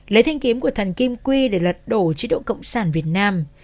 lấy thanh kiếm của thần kim quy để lật đổ chế độ cộng sản việt nam